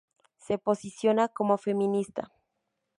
Se posiciona como feminista.